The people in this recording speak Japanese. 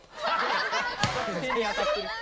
手に当たってる。